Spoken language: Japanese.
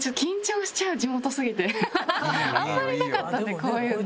あんまりなかったんでこういうの。